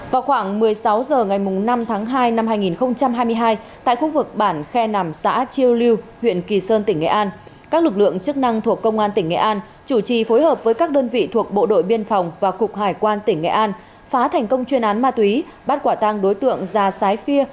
vào khoảng một mươi sáu h ngày năm tháng hai năm hai nghìn hai mươi hai tại khu vực bản khe nằm xã chiêu lưu huyện kỳ sơn tỉnh nghệ an các lực lượng chức năng thuộc công an tỉnh nghệ an chủ trì phối hợp với các đơn vị thuộc bộ đội biên phòng và cục hải quan tỉnh nghệ an phá thành công chuyên án ma túy bắt quả tăng đối tượng già sái phia